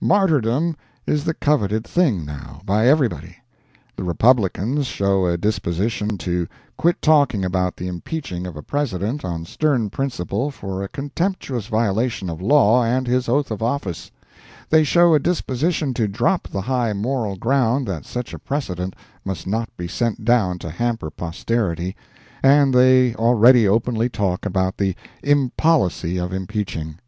Martyrdom is the coveted thing, now, by everybody. The Republicans show a disposition to quit talking about the impeaching of a President on stern principle for a contemptuous violation of law and his oath of office; they show a disposition to drop the high moral ground that such a precedent must not be sent down to hamper posterity, and they already openly talk about the "impolicy" of impeaching.